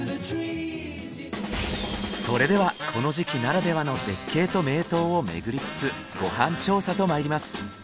それではこの時期ならではの絶景と名湯を巡りつつご飯調査とまいります。